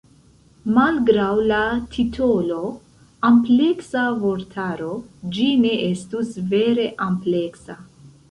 Malgraŭ la titolo "ampleksa vortaro" ĝi ne estus vere ampleksa.